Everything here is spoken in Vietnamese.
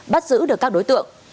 bắt giữ được các đối tượng